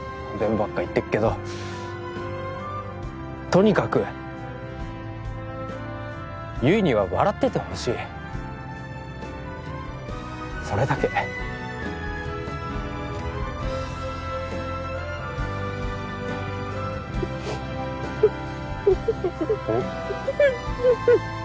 ばっか言ってっけどとにかく悠依には笑っててほしいそれだけおっ！？